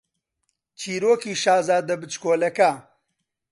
چیرۆکی شازادە بچکۆڵەکە